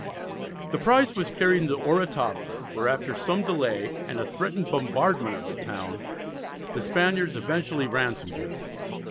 The prize was carried into Oratava, where after some delay, and a threatened bombardment of the town, the Spaniards eventually ransomed her.